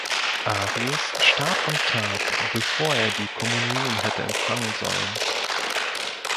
Arius starb am Tag, bevor er die Kommunion hätte empfangen sollen.